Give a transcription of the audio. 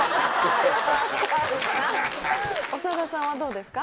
長田さんはどうですか？